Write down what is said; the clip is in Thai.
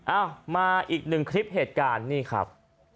เอามาอีกหนึ่งคลิปเหตุการณ์นี่ครับ